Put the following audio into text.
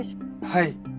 はい。